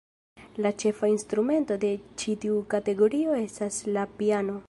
La ĉefa instrumento de ĉi tiu kategorio estas la piano.